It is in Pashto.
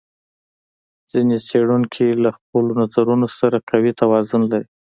ځینې څېړونکي له خپلو نظرونو سره قوي توازن لري.